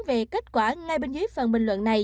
về kết quả ngay bên dưới phần bình luận này